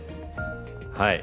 はい。